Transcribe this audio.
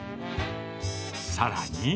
さらに。